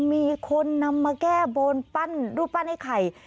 มีคนนำมาแก้บนปั้นรูปปั้นไอ้ไข่